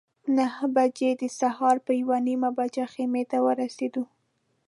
نهه بجې د سهار په یوه نیمه بجه خیمې ته ورسېدو.